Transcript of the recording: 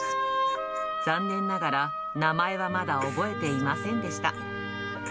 残念ながら、名前はまだ覚えていませんでした。